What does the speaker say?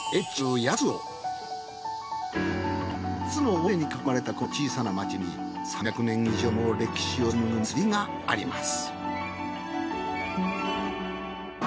８つの尾根に囲まれたこの小さな町に３００年以上の歴史を紡ぐ祭りがあります。